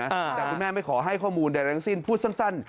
แต่คุณแม่ไม่ขอให้ข้อมูลใดทั้งสิ้นพูดสั้น